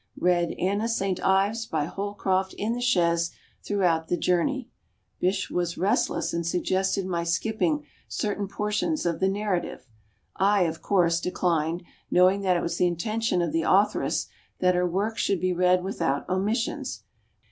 Read "Anna St Ives" by Holcroft in the chaise throughout the journey. Bysshe was restless and suggested my skipping certain portions of the narrative. I, of course, declined, knowing that it was the intention of the authoress that her work should be read without omissions.